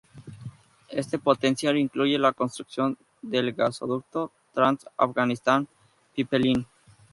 Este potencial incluye la construcción del gasoducto Trans-Afganistán Pipeline.